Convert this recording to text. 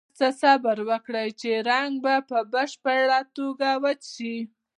لږ څه صبر وکړئ چې رنګ په بشپړه توګه وچ شي.